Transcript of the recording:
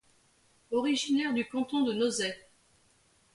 Originaire du canton de Nozay.